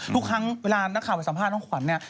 ทุกครั้งเวลานักข่าวไปสัมภาษณ์น้องขวัญเนี่ย